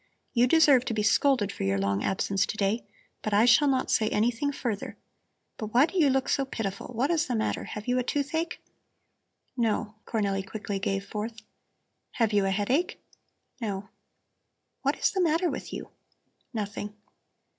You deserve to be scolded for your long absence to day, but I shall not say anything further. But why do you look so pitiful! What is the matter? Have you a toothache?" "No," Cornelli quickly gave forth. "Have you a headache?" "No." "What is the matter with you?" "Nothing."